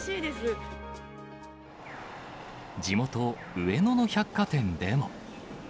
地元、上野の百貨店でも。